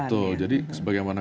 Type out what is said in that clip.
betul jadi sebagaimana